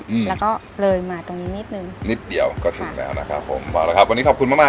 อืมแล้วก็เลยมาตรงนี้นิดนึงนิดเดียวก็ถึงแล้วนะครับผมเอาละครับวันนี้ขอบคุณมากมาก